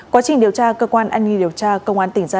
quá trình điều tra cơ quan anh nghi điều tra công an tỉnh gia lai